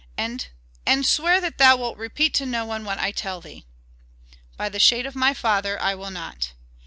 And and swear that thou wilt repeat to no one what I tell thee." "By the shade of my father, I will not."